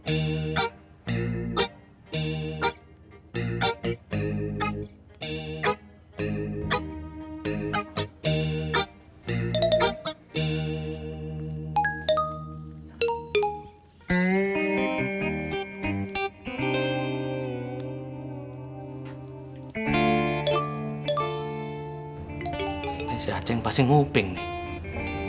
ini si aceh yang pasti nguping nih